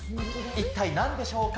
一体なんでしょうか。